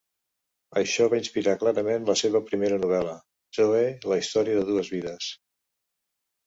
Això va inspirar clarament la seva primera novel·la, "Zoe: la història de dues vides".